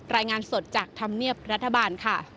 รายงานสดจากธรรมเนียบรัฐบาลค่ะ